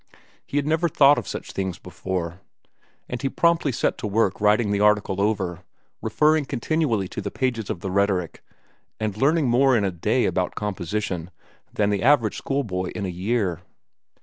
He had never thought of such things before; and he promptly set to work writing the article over, referring continually to the pages of the rhetoric and learning more in a day about composition than the average schoolboy in a year.